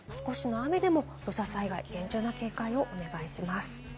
少しの雨でも土砂災害、厳重な警戒をお願いします。